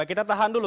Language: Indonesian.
kita tahan dulu